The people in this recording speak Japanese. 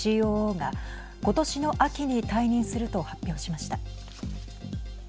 ＣＯＯがことしの秋に退任すると発表しました。